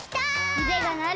うでがなる！